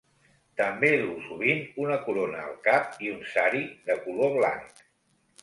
També duu sovint una corona al cap i un sari de color blanc.